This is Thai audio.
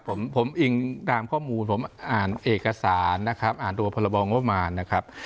ผมผมอิงตามข้อมูลผมอ่านเอกสารนะครับอ่านตัวพรบองงบประมาณนะครับ